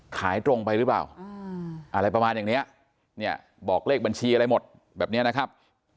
ขายตรงไปหรือเปล่าอะไรประมาณอย่างเนี้ยเนี่ยบอกเลขบัญชีอะไรหมดแบบนี้นะครับ